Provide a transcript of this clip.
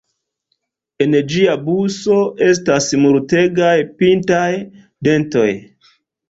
En ĝia buso estas multegaj pintaj dentoj.